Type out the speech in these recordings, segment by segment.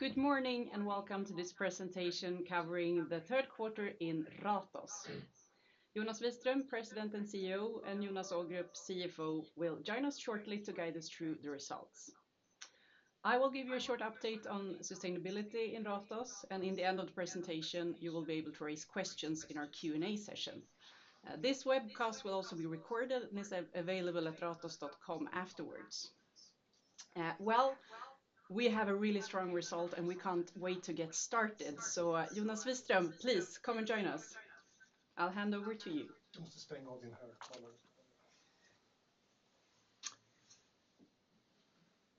Good morning, and welcome to this presentation covering the third quarter in Ratos. Jonas Wiström, President and CEO, and Jonas Ågrup, CFO, will join us shortly to guide us through the results. I will give you a short update on sustainability in Ratos, and in the end of the presentation, you will be able to raise questions in our Q&A session. This webcast will also be recorded and is available at ratos.com afterwards. Well, we have a really strong result, and we can't wait to get started. Jonas Wiström, please come and join us. I'll hand over to you.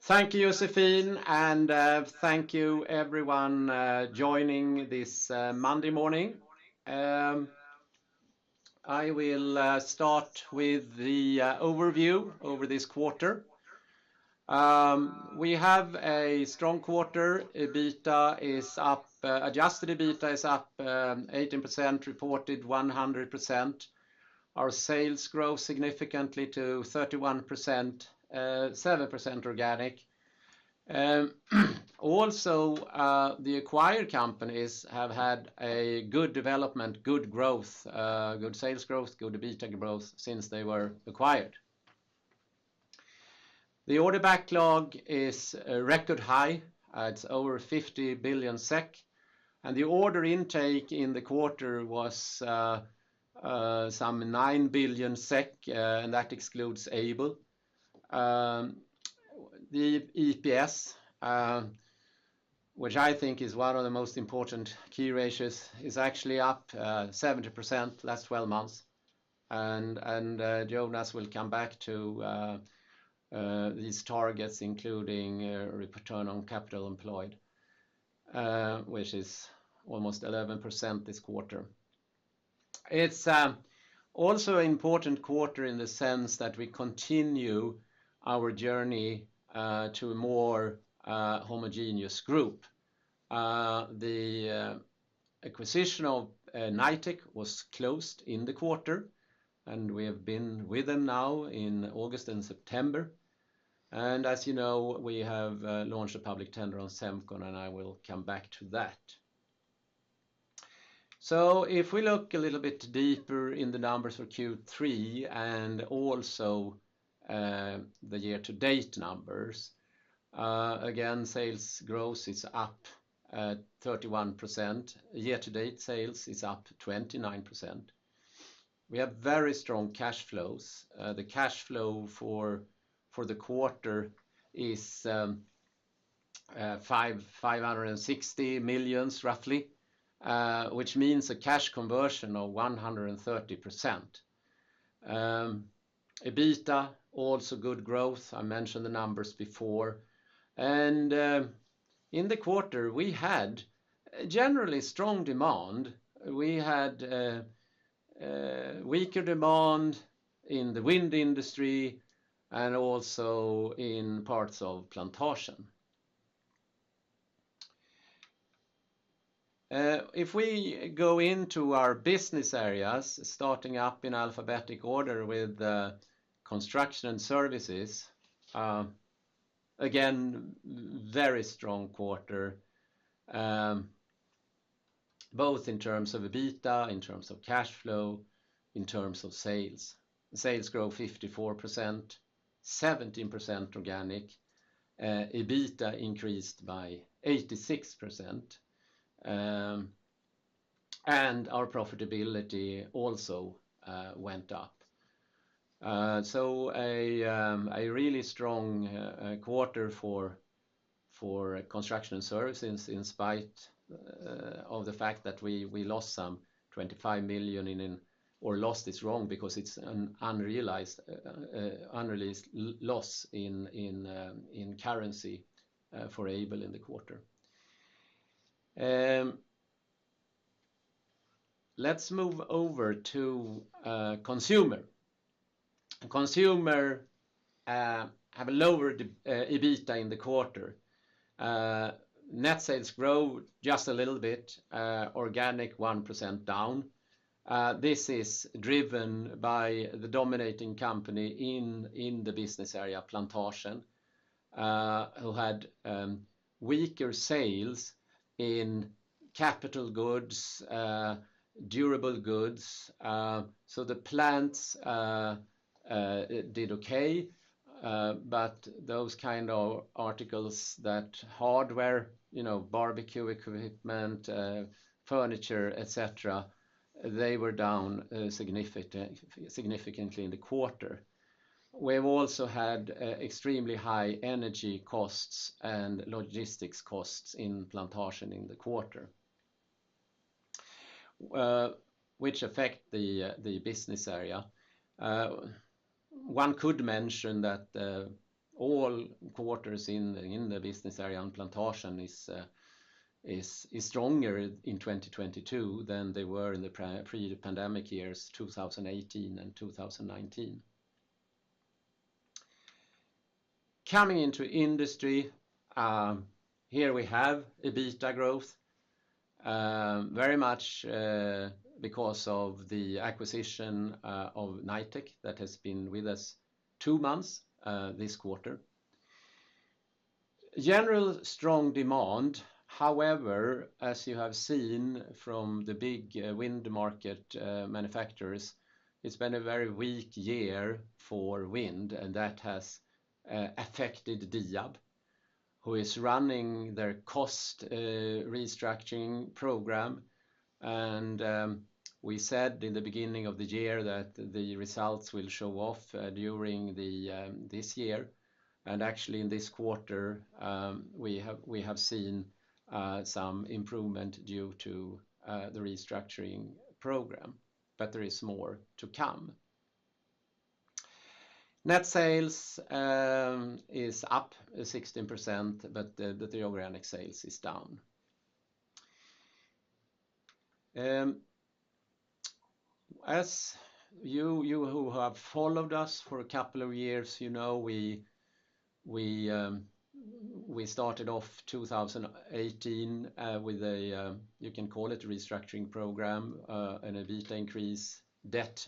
Thank you, Josefine, and thank you everyone joining this Monday morning. I will start with the overview over this quarter. We have a strong quarter. Adjusted EBITDA is up 18%, reported 100%. Our sales growth significantly to 31%, 7% organic. Also, the acquired companies have had a good development, good growth, good sales growth, good EBITDA growth since they were acquired. The order backlog is a record high. It's over 50 billion SEK, and the order intake in the quarter was some 9 billion SEK, and that excludes Aibel. The EPS, which I think is one of the most important key ratios, is actually up 70% last twelve months. Jonas will come back to these targets, including return on capital employed, which is almost 11% this quarter. It's also an important quarter in the sense that we continue our journey to a more homogeneous group. The acquisition of Knightec was closed in the quarter, and we have been with them now in August and September. As you know, we have launched a public tender on Semcon, and I will come back to that. If we look a little bit deeper in the numbers for Q3 and also the year-to-date numbers, again, sales growth is up 31%. Year-to-date sales is up 29%. We have very strong cash flows. The cash flow for the quarter is roughly 560 million, which means a cash conversion of 130%. EBITDA, also good growth. I mentioned the numbers before. In the quarter, we had generally strong demand. We had weaker demand in the wind industry and also in parts of Plantasjen. If we go into our business areas, starting up in alphabetic order with Construction and Services, again, very strong quarter, both in terms of EBITDA, in terms of cash flow, in terms of sales. Sales grow 54%, 17% organic. EBITDA increased by 86%, and our profitability also went up. A really strong quarter for Construction & Services in spite of the fact that we lost some 25 million. Or lost is wrong because it's an unrealized loss in currency for Aibel in the quarter. Let's move over to Consumer. Consumer have a lower EBITDA in the quarter. Net sales grow just a little bit, organic 1% down. This is driven by the dominating company in the business area, Plantasjen, who had weaker sales in capital goods, durable goods. The plants did okay, but those kind of articles like hardware, you know, barbecue equipment, furniture, et cetera, they were down significantly in the quarter. We've also had extremely high energy costs and logistics costs in Plantasjen in the quarter, which affect the business area. One could mention that all quarters in the business area on Plantasjen is stronger in 2022 than they were in the pre-pandemic years, 2018 and 2019. Coming into Industry, here we have EBITDA growth. Very much because of the acquisition of Knightec that has been with us two months this quarter. General strong demand. However, as you have seen from the big wind market manufacturers, it's been a very weak year for wind, and that has affected Diab, who is running their cost restructuring program. We said in the beginning of the year that the results will show off during this year. Actually, in this quarter, we have seen some improvement due to the restructuring program, but there is more to come. Net sales is up 16%, but the organic sales is down. As you who have followed us for a couple of years, you know we started off 2018 with a, you can call it restructuring program, an EBITDA increase, debt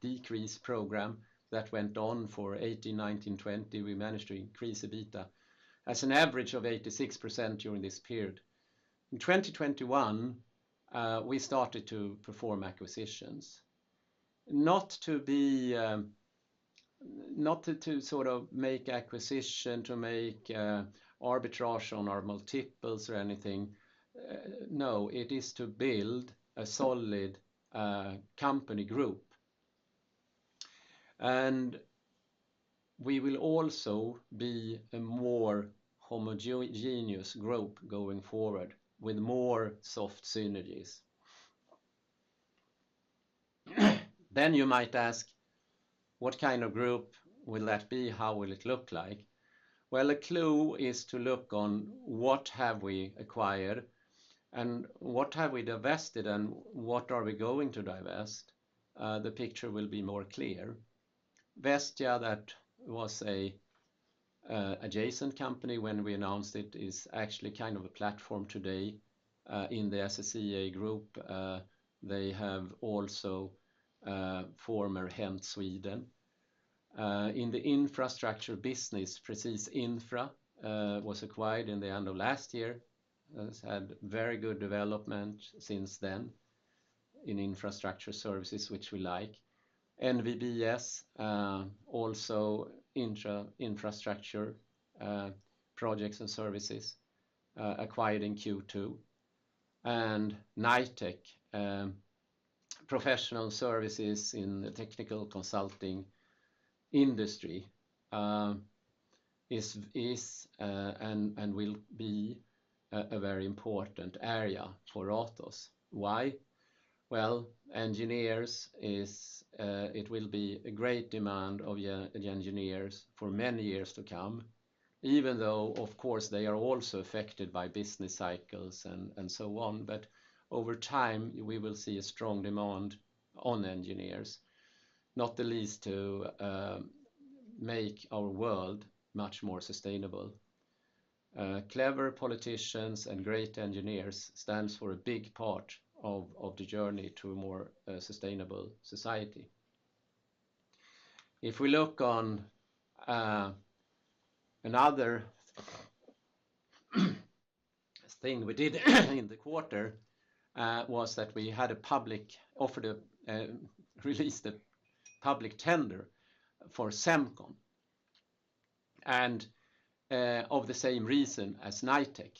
decrease program that went on for 2018, 2019, 2020. We managed to increase EBITDA as an average of 86% during this period. In 2021, we started to perform acquisitions. Not to be, not to sort of make acquisition, to make arbitrage on our multiples or anything. No, it is to build a solid company group. We will also be a more homogeneous group going forward with more soft synergies. You might ask, what kind of group will that be? How will it look like? Well, a clue is to look on what have we acquired and what have we divested and what are we going to divest. The picture will be more clear. Vestia, that was an adjacent company when we announced it, is actually kind of a platform today in the SSEA Group. They have also former HENT Sverige AB. In the infrastructure business, Presis Infra was acquired in the end of last year. Has had very good development since then in infrastructure services, which we like. NVBS, also in infrastructure projects and services, acquired in Q2. Knightec, professional services in the technical consulting industry, is and will be a very important area for Ratos. Why? Well, engineers is it will be a great demand for engineers for many years to come, even though, of course, they are also affected by business cycles and so on. Over time, we will see a strong demand on engineers, not the least to make our world much more sustainable. Clever politicians and great engineers stands for a big part of the journey to a more sustainable society. If we look on another thing we did in the quarter was that we released a public tender for Semcon and of the same reason as Knightec.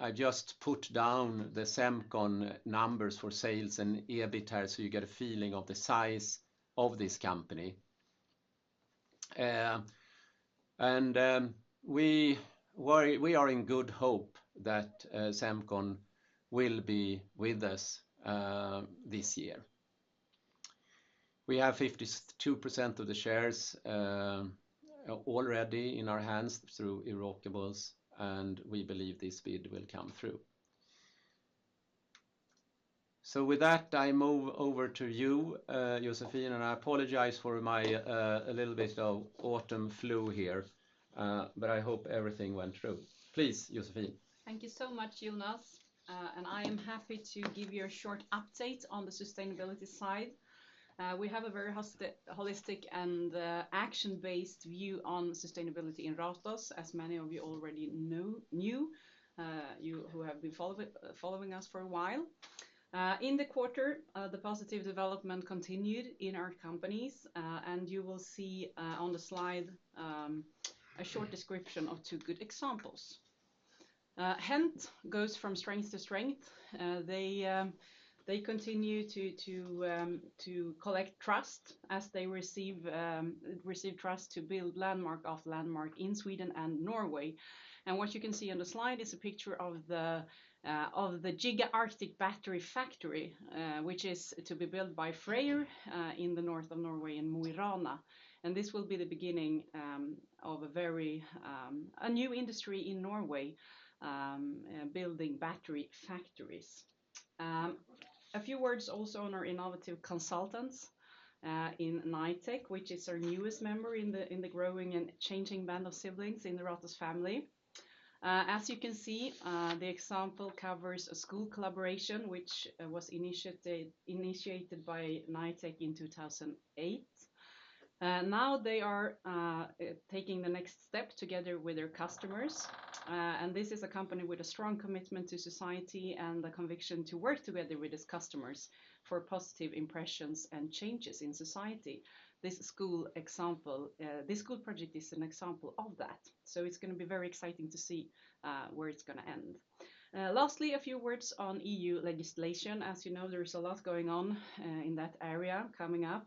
I just put down the Semcon numbers for sales and EBITA, so you get a feeling of the size of this company. We are in good hope that Semcon will be with us this year. We have 52% of the shares already in our hands through irrevocables, and we believe this bid will come through. With that, I move over to you, Josefine, and I apologize for my a little bit of autumn flu here, but I hope everything went through. Please, Josefine. Thank you so much, Jonas. I am happy to give you a short update on the sustainability side. We have a very holistic and action-based view on sustainability in Ratos, as many of you already know, you who have been following us for a while. In the quarter, the positive development continued in our companies, and you will see on the slide a short description of two good examples. HENT goes from strength to strength. They continue to collect trust as they receive trust to build landmark after landmark in Sweden and Norway. What you can see on the slide is a picture of the Giga Arctic battery factory, which is to be built by FREYR in the north of Norway in Mo i Rana. This will be the beginning of a very new industry in Norway building battery factories. A few words also on our innovative consultants in Knightec, which is our newest member in the growing and changing band of siblings in the Ratos family. As you can see, the example covers a school collaboration which was initiated by Knightec in 2008. Now they are taking the next step together with their customers, and this is a company with a strong commitment to society and the conviction to work together with its customers for positive impressions and changes in society. This school project is an example of that, so it's gonna be very exciting to see where it's gonna end. Lastly, a few words on EU legislation. As you know, there is a lot going on in that area coming up.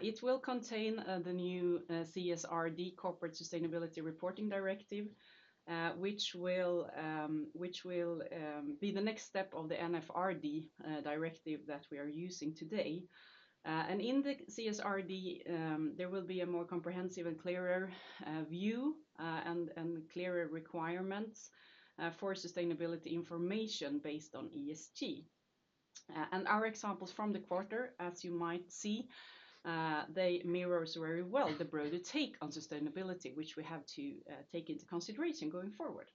It will contain the new CSRD, Corporate Sustainability Reporting Directive, which will be the next step of the NFRD directive that we are using today. In the CSRD, there will be a more comprehensive and clearer view, and clearer requirements for sustainability information based on ESG. Our examples from the quarter, as you might see, they mirrors very well the broader take on sustainability, which we have to take into consideration going forward.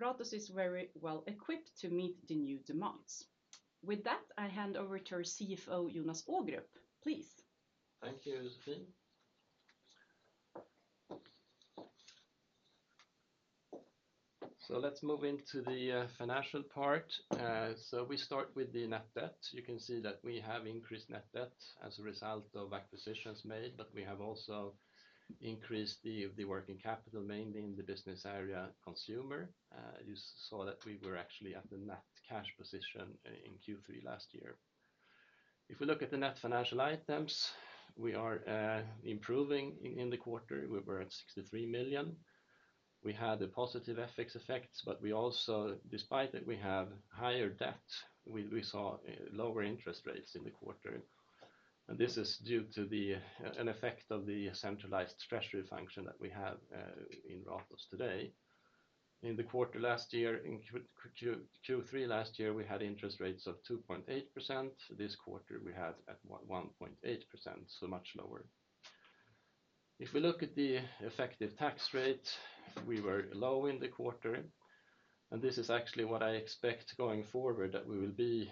Ratos is very well equipped to meet the new demands. With that, I hand over to our CFO, Jonas Ågrup. Please. Thank you, Josefine. Let's move into the financial part. We start with the net debt. You can see that we have increased net debt as a result of acquisitions made, but we have also increased the working capital, mainly in the business area consumer. You saw that we were actually at the net cash position in Q3 last year. If we look at the net financial items, we are improving in the quarter. We were at 63 million. We had a positive FX effect, but we also, despite that we have higher debt, we saw lower interest rates in the quarter, and this is due to the effect of the centralized treasury function that we have in Ratos today. In the quarter last year, in Q3 last year, we had interest rates of 2.8%. This quarter, we had at 1.8%, so much lower. If we look at the effective tax rate, we were low in the quarter, and this is actually what I expect going forward, that we will be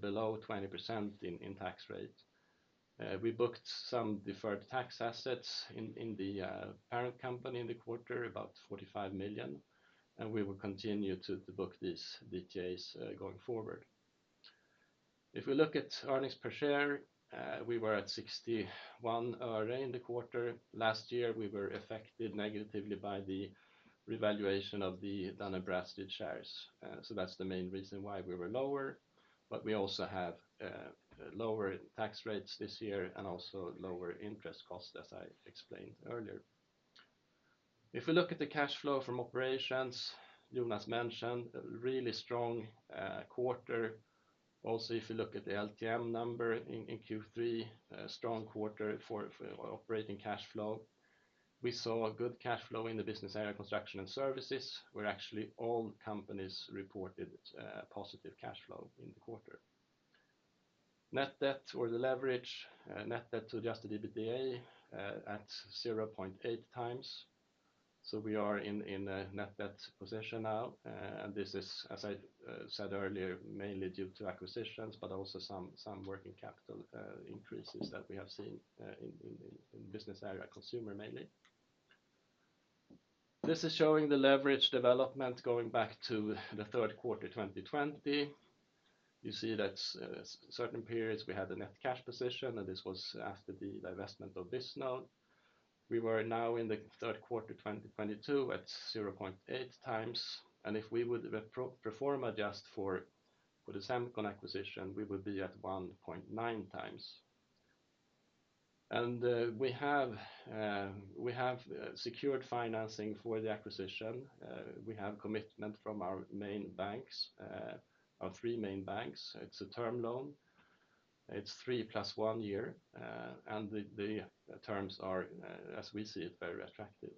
below 20% in tax rate. We booked some deferred tax assets in the parent company in the quarter, about 45 million, and we will continue to book these DTAs going forward. If we look at earnings per share, we were at 0.61 in the quarter. Last year, we were affected negatively by the revaluation of the Dun & Bradstreet shares. So that's the main reason why we were lower, but we also have lower tax rates this year and also lower interest costs as I explained earlier. If we look at the cash flow from operations, Jonas mentioned a really strong quarter. If you look at the LTM number in Q3, a strong quarter for operating cash flow. We saw a good cash flow in the business area Construction and Services, where actually all companies reported positive cash flow in the quarter. Net debt or the leverage, net debt to adjusted EBITDA, at 0.8x. We are in a net debt position now, and this is, as I said earlier, mainly due to acquisitions, but also some working capital increases that we have seen in business area Consumer mainly. This is showing the leverage development going back to the third quarter 2020. You see that certain periods we had a net cash position, and this was after the divestment of Bisnode. We were now in the third quarter 2022 at 0.8x, and if we would pro forma adjust for the Semcon acquisition, we would be at 1.9x. We have secured financing for the acquisition. We have commitment from our main banks, our three main banks. It's a term loan. It's 3+1 year, and the terms are, as we see it, very attractive.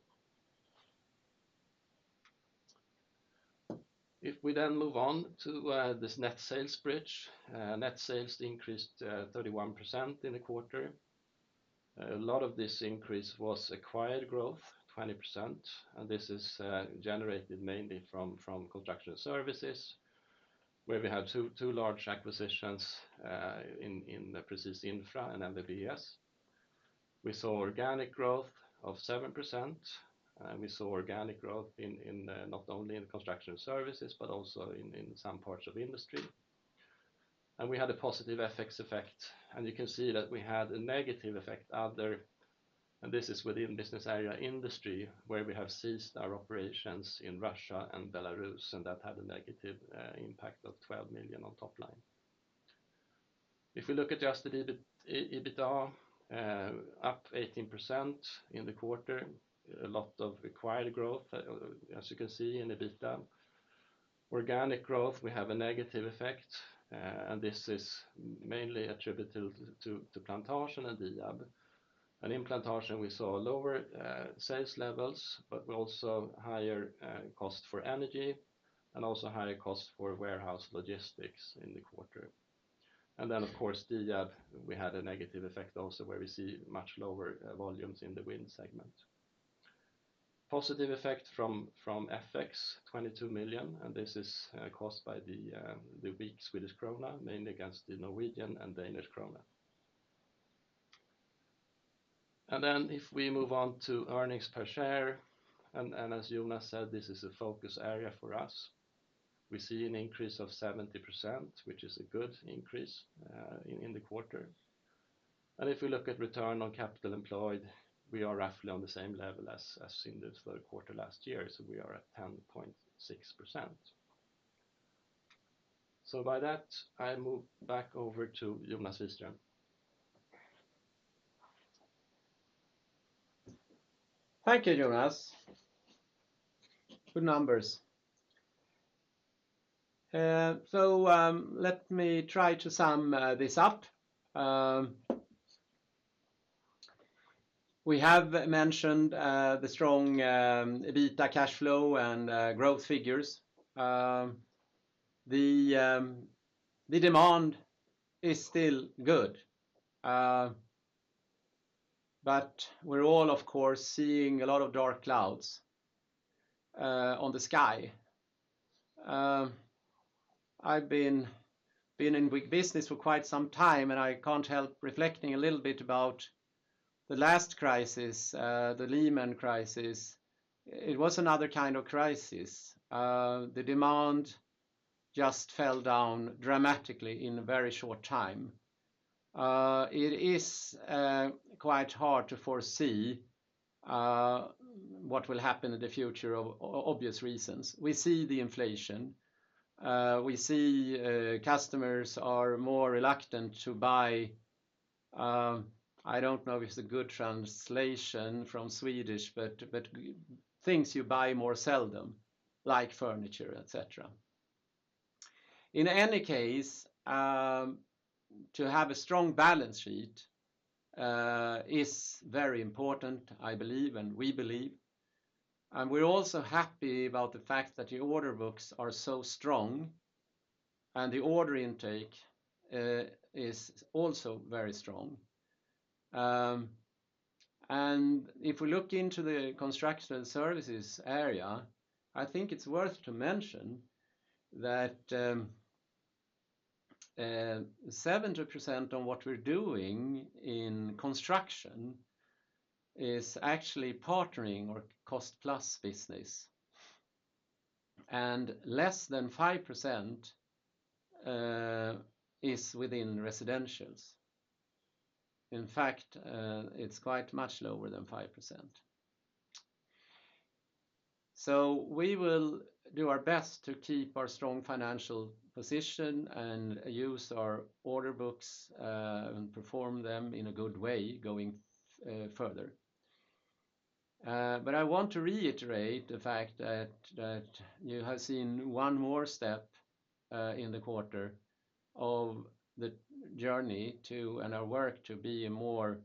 If we then move on to this net sales bridge, net sales increased 31% in the quarter. A lot of this increase was acquired growth, 20%, and this is generated mainly from construction services, where we had two large acquisitions in the Presis Infra and then the Vestia. We saw organic growth of 7%, and we saw organic growth not only in construction services but also in some parts of industry. We had a positive FX effect, and you can see that we had a negative other effect, and this is within business area industry, where we have ceased our operations in Russia and Belarus, and that had a negative impact of 12 million on top line. If we look at adjusted EBITDA, up 18% in the quarter, a lot of acquired growth, as you can see in EBITDA. Organic growth, we have a negative effect, and this is mainly attributed to Plantasjen and Diab, and implementation, we saw lower sales levels, but we also higher cost for energy and also higher cost for warehouse logistics in the quarter. Of course, Diab, we had a negative effect also where we see much lower volumes in the wind segment. Positive effect from FX, 22 million, and this is caused by the weak Swedish krona, mainly against the Norwegian and Danish krona. If we move on to earnings per share, and as Jonas said, this is a focus area for us. We see an increase of 70%, which is a good increase in the quarter. If we look at return on capital employed, we are roughly on the same level as in the third quarter last year, so we are at 10.6%. By that, I move back over to Jonas Wiström. Thank you, Jonas. Good numbers. Let me try to sum this up. We have mentioned the strong EBITDA cash flow and growth figures. The demand is still good, but we're all, of course, seeing a lot of dark clouds in the sky. I've been in business for quite some time, and I can't help reflecting a little bit about the last crisis, the Lehman crisis. It was another kind of crisis. The demand just fell down dramatically in a very short time. It is quite hard to foresee what will happen in the future for obvious reasons. We see the inflation. We see customers are more reluctant to buy. I don't know if it's a good translation from Swedish, but things you buy more seldom, like furniture, et cetera. In any case, to have a strong balance sheet is very important, I believe, and we believe. We're also happy about the fact that the order books are so strong and the order intake is also very strong. If we look into the construction services area, I think it's worth to mention that 70% of what we're doing in construction is actually partnering or cost-plus business. Less than 5% is within residentials. In fact, it's quite much lower than 5%. We will do our best to keep our strong financial position and use our order books and perform them in a good way going further. I want to reiterate the fact that you have seen one more step in the quarter of the journey to and our work to be a more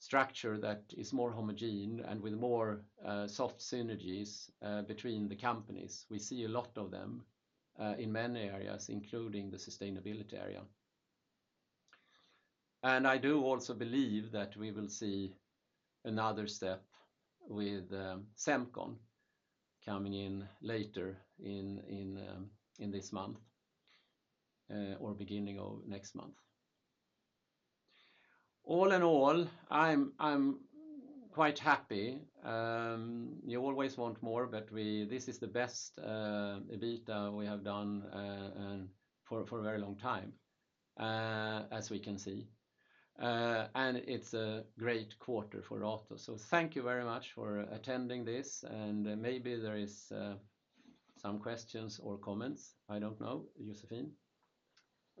structure that is more homogeneous and with more soft synergies between the companies. We see a lot of them in many areas, including the sustainability area. I do also believe that we will see another step with Semcon coming in later in this month or beginning of next month. All in all, I'm quite happy. You always want more, but this is the best EBITDA we have done for a very long time, as we can see. It's a great quarter for Ratos. Thank you very much for attending this, and maybe there is some questions or comments. I don't know.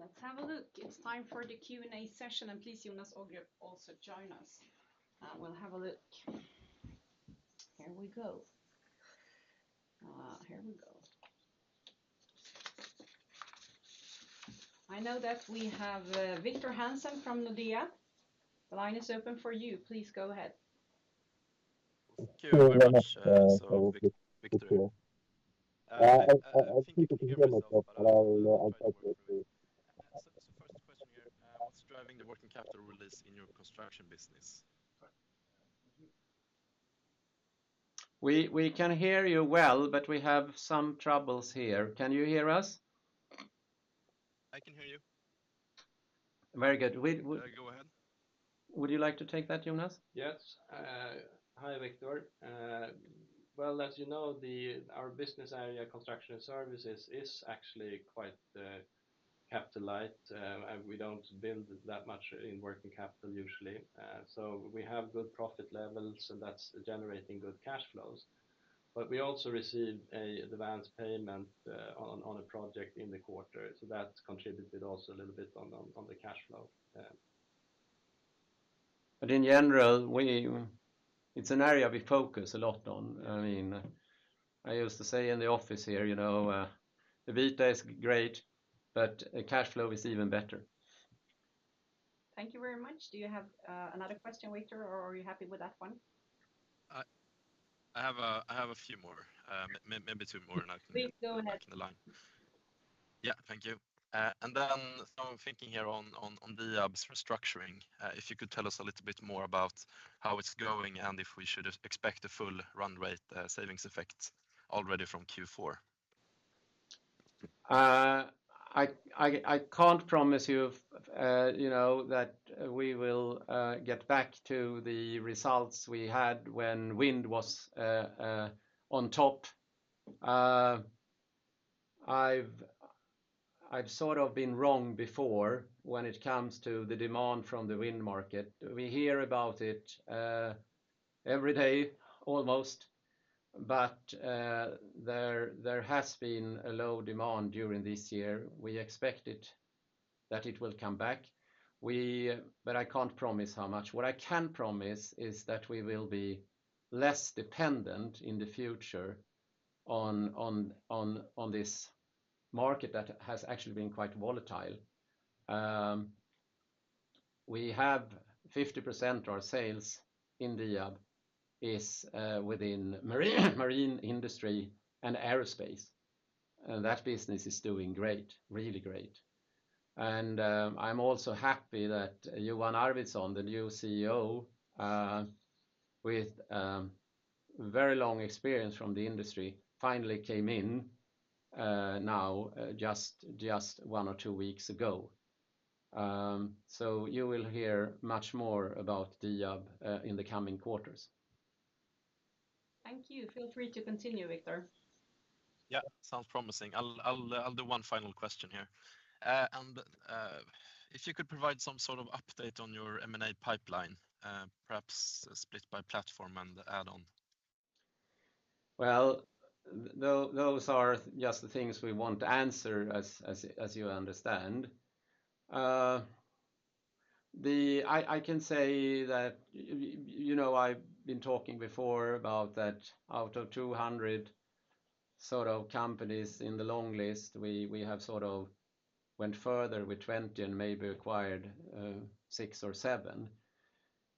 Josefine? Let's have a look. It's time for the Q&A session. Please, Jonas, also join us. We'll have a look. Here we go. I know that we have Victor Hansen from Nordea. The line is open for you. Please go ahead. Thank you very much. Sorry, Victor. I think you can hear me, but I'll try to talk a little bit. The first question here, what's driving the working capital release in your construction business? We can hear you well, but we have some troubles here. Can you hear us? I can hear you. Very good. Should I go ahead? Would you like to take that, Jonas? Yes. Hi, Victor. Well, as you know, our business area, Construction & Services, is actually quite capital light. We don't build that much in working capital usually. We have good profit levels, and that's generating good cash flows. We also received the advance payment on a project in the quarter. That contributed also a little bit on the cash flow, yeah. In general, it's an area we focus a lot on. I mean, I used to say in the office here, you know, the beta is great, but cash flow is even better. Thank you very much. Do you have another question, Victor, or are you happy with that one? I have a few more. Maybe two more and I can. Please go ahead. back in the line. Yeah. Thank you. I'm thinking here on Diab's restructuring, if you could tell us a little bit more about how it's going and if we should expect a full run rate savings effect already from Q4. I can't promise you know, that we will get back to the results we had when wind was on top. I've sort of been wrong before when it comes to the demand from the wind market. We hear about it every day almost, but there has been a low demand during this year. We expect that it will come back. But I can't promise how much. What I can promise is that we will be less dependent in the future on this market that has actually been quite volatile. We have 50% of our sales in Diab is within marine industry and aerospace, and that business is doing great, really great. I'm also happy that Johan Arvidsson, the new CEO, with very long experience from the industry, finally came in, now just one or two weeks ago. You will hear much more about Diab in the coming quarters. Thank you. Feel free to continue, Victor. Yeah. Sounds promising. I'll do one final question here. If you could provide some sort of update on your M&A pipeline, perhaps split by platform and add on? Well, those are just the things we want to answer as you understand. I can say that, you know, I've been talking before about that out of 200 sort of companies in the long list, we have sort of went further with 20 and maybe acquired six or seven.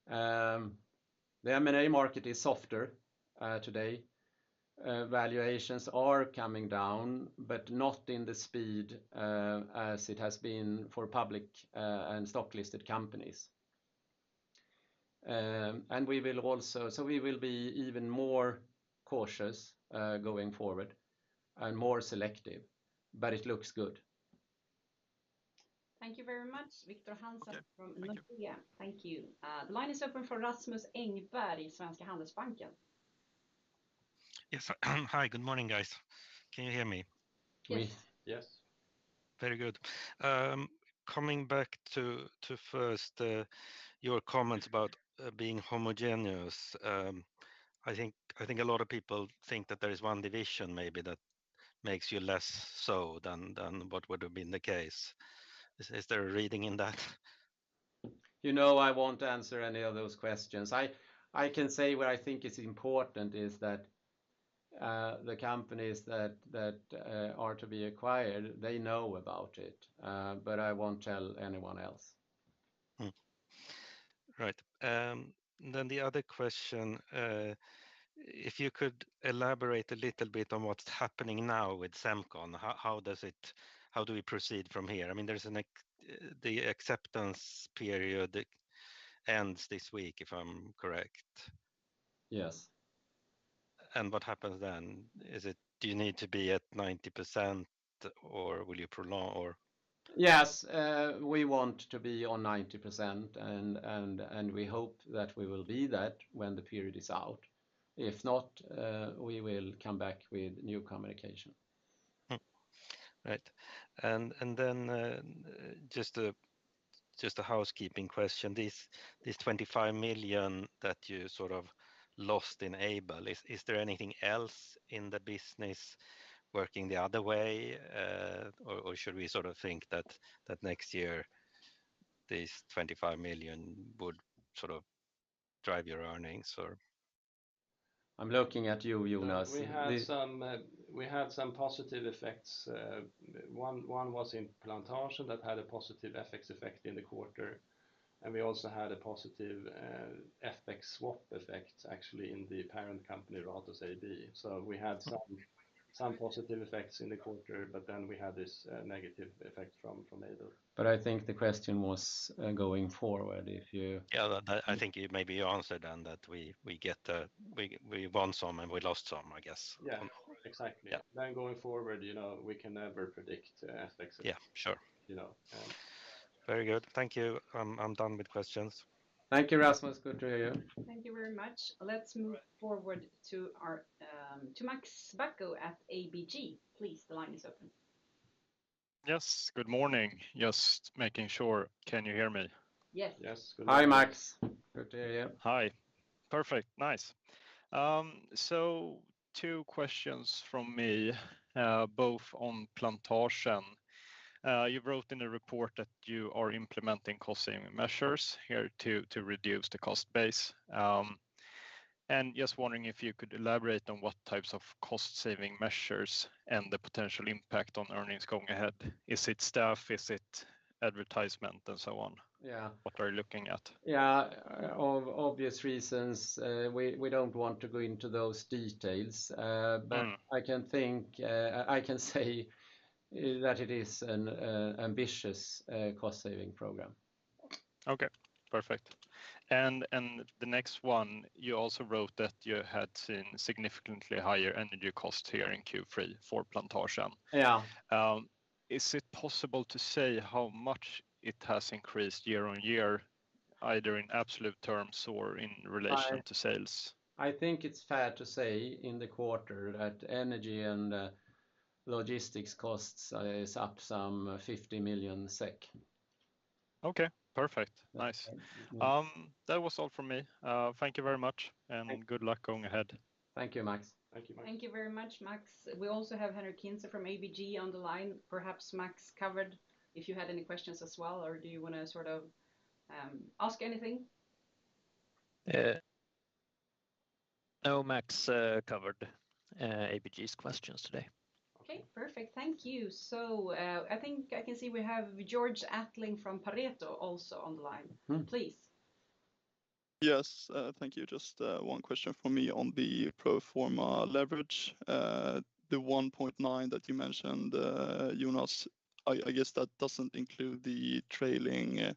The M&A market is softer today. Valuations are coming down, but not in the speed as it has been for public and stock listed companies. We will be even more cautious going forward and more selective, but it looks good. Thank you very much. Victor Hansen. Okay. Thank you. ...from Nordea. Thank you. The line is open for Rasmus Engberg, Svenska Handelsbanken. Yes. Hi, good morning, guys. Can you hear me? Yes. Yes. Very good. Coming back to your comments about being homogeneous. I think a lot of people think that there is one division maybe that makes you less so than what would have been the case. Is there a reading in that? You know I won't answer any of those questions. I can say what I think is important is that the companies that are to be acquired, they know about it, but I won't tell anyone else. The other question, if you could elaborate a little bit on what's happening now with Semcon. How do we proceed from here? I mean, the acceptance period ends this week, if I'm correct. Yes. What happens then? Do you need to be at 90% or will you prolong or? Yes. We want to be on 90% and we hope that we will be that when the period is out. If not, we will come back with new communication. Right. Then just a housekeeping question. This 25 million that you sort of lost in Aibel, is there anything else in the business working the other way? Or should we sort of think that next year, this 25 million would sort of drive your earnings? I'm looking at you, Jonas. We had some positive effects. One was in Plantasjen that had a positive FX effect in the quarter, and we also had a positive FX swap effect actually in the parent company, Ratos AB. We had some positive effects in the quarter, but we had this negative effect from Aibel. I think the question was going forward, if you Yeah. I think you maybe answered then that we won some and we lost some, I guess. Yeah. Exactly. Yeah. going forward, you know, we can never predict, FX. Yeah. Sure. You know? Very good. Thank you. I'm done with questions. Thank you, Rasmus. Good to hear you. Thank you very much. Let's move forward to Max Bergman at ABG. Please, the line is open. Yes. Good morning. Just making sure, can you hear me? Yes. Yes. Good morning. Hi, Max. Good to hear you. Hi. Perfect. Nice. Two questions from me, both on Plantasjen. You wrote in a report that you are implementing cost-saving measures here to reduce the cost base. Just wondering if you could elaborate on what types of cost-saving measures and the potential impact on earnings going ahead. Is it staff? Is it advertisement and so on? Yeah. What are you looking at? Yeah. Obvious reasons, we don't want to go into those details. Mm. I can say that it is an ambitious cost-saving program. Okay. Perfect. The next one, you also wrote that you had seen significantly higher energy cost here in Q3 for Plantasjen. Yeah. Is it possible to say how much it has increased year on year, either in absolute terms or in relation to sales? I think it's fair to say in the quarter that energy and logistics costs is up some 50 million SEK. Okay. Perfect. Nice. That was all from me. Thank you very much. Thank you. Good luck going ahead. Thank you, Max. Thank you, Max. Thank you very much, Max. We also have Henric Hintze from ABG on the line. Perhaps Max covered if you had any questions as well, or do you wanna sort of ask anything? No, Max covered ABG's questions today. Okay. Perfect. Thank you. I think I can see we have Georg Attling from Pareto also on the line. Mm. Please. Yes. Thank you. Just one question for me on the pro forma leverage. The 1.9 that you mentioned, Jonas, I guess that doesn't include the trailing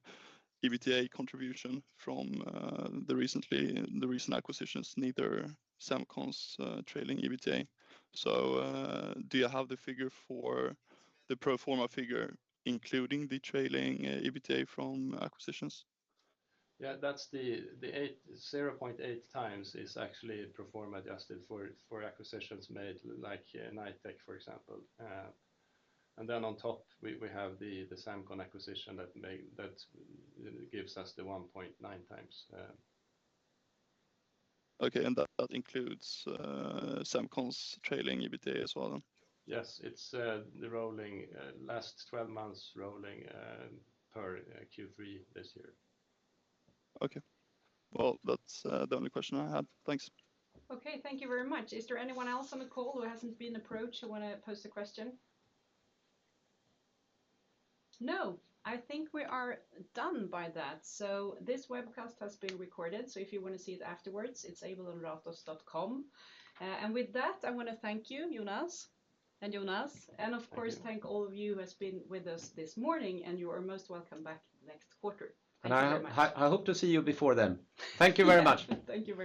EBITDA contribution from the recent acquisitions, neither Semcon's trailing EBITDA. So, do you have the figure for the pro forma figure, including the trailing EBITDA from acquisitions? Yeah, that's the 0.8x is actually pro forma adjusted for acquisitions made, like Knightec, for example. On top, we have the Semcon acquisition that gives us the 1.9x. Okay. That includes Semcon's trailing EBITDA as well? Yes. It's the rolling last 12 months per Q3 this year. Okay. Well, that's the only question I had. Thanks. Okay. Thank you very much. Is there anyone else on the call who hasn't been approached who wanna post a question? No, I think we are done with that. This webcast has been recorded, so if you wanna see it afterwards, it's ratos.com. With that, I wanna thank you, Jonas and Jonas. Thank you. Of course, thank all of you who has been with us this morning, and you are most welcome back next quarter. Thank you very much. I hope to see you before then. Thank you very much. Yeah. Thank you very much.